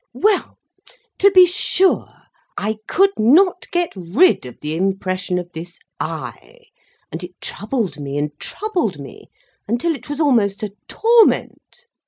Well, to be sure I could not get rid of the impression of this eye, and it troubled me and troubled me, until it was almost a torment.